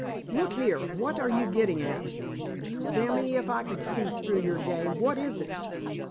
"Look here! What are you gettin' at? Damme if I can see through your game. What is it?"